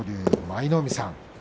舞の海さん